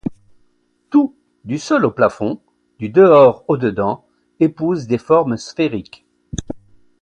Tout, du sol au plafond, du dehors au dedans, épouse des formes sphériques.